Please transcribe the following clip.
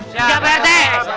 siap pak rete